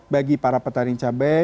bagi para petani cabai